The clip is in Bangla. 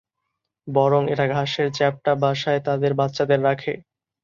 বরং এরা ঘাসের চ্যাপ্টা বাসায় তাদের বাচ্চাদের রাখে।